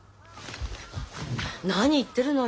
何言ってるのよ！